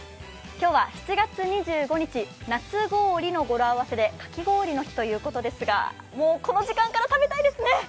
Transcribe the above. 今日は７月２５日、なつごおりの語呂合わせでかき氷の日ということですが、この時間から食べたいですね。